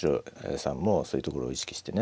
さんもそういうところを意識してね